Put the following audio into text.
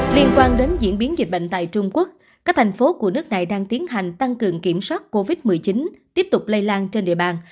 liên quan đến diễn biến dịch bệnh tại trung quốc các thành phố của nước này đang tiến hành tăng cường kiểm soát covid một mươi chín tiếp tục lây lan trên địa bàn